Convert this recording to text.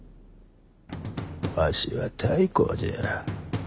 わしは太閤じゃ。